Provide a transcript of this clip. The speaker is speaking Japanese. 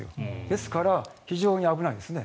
ですから、非常に危ないですね。